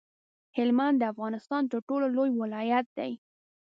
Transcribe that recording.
هلمند د افغانستان تر ټولو لوی ولایت دی.